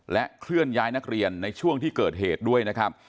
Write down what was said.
เคลื่อนย้ายนักเรียนในช่วงที่เกิดเหตุด้วยนะครับ